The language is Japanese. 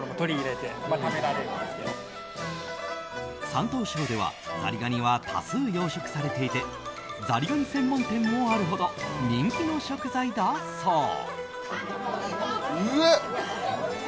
山東省ではザリガニは多数養殖されていてザリガニ専門店もあるほど人気の食材だそう。